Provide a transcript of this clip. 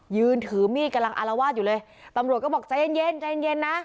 ยืนถือมีดกำลังอลวาชอยู่เลยตำรวจก็บอกใจเย็นใจเย็นนะ